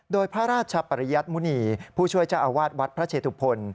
โดยพระราชปริยัติมุณีผู้ช่วยเจ้าอาวาสวัดพระเชตุพล